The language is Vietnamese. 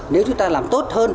nếu chúng ta làm tốt hơn